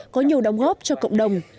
có nhiều đóng góp cho cộng đồng